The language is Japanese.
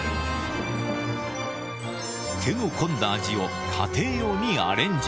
手の込んだ味を家庭用にアレンジ。